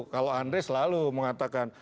kalau andre selalu mengatakan